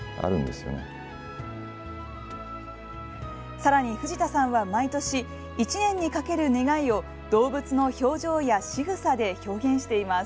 さらに藤田さんは毎年、１年にかける願いを動物の表情やしぐさで表現しています。